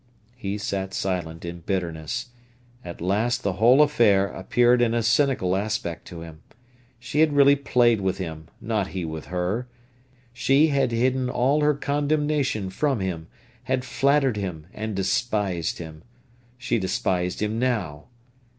He sat silent in bitterness. At last the whole affair appeared in a cynical aspect to him. She had really played with him, not he with her. She had hidden all her condemnation from him, had flattered him, and despised him. She despised him now.